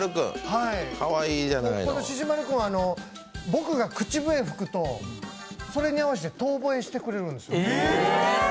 ししまる君は僕が口笛を吹くとそれに合わせて遠ぼえしてくれるんですよ。